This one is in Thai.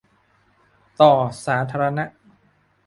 ต่อสาธารณะ